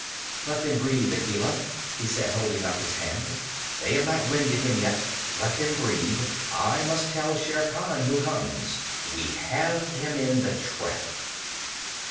"Let them breathe, Akela," he said, holding up his hand. "They have not winded him yet. Let them breathe. I must tell Shere Khan who comes. We have him in the trap."